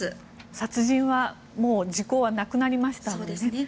殺人はもう時効はなくなりましたもんね。